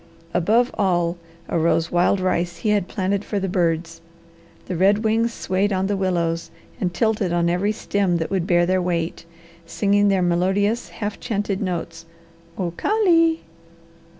Above all arose wild rice he had planted for the birds. The red wings swayed on the willows and tilted on every stem that would bear their weight, singing their melodious half chanted notes, "O ka lee!"